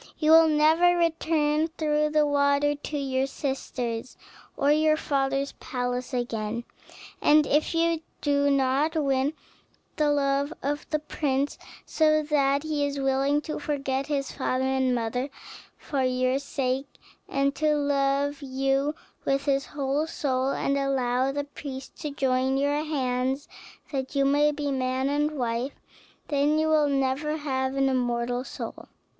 You will never return through the water to your sisters, or to your father's palace again; and if you do not win the love of the prince, so that he is willing to forget his father and mother for your sake, and to love you with his whole soul, and allow the priest to join your hands that you may be man and wife, then you will never have an immortal soul.